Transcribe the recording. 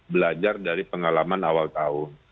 belajar dari pengalaman awal tahun